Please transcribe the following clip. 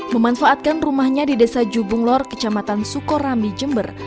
memanfaatkan rumahnya di desa jubunglor kecamatan sukorami jember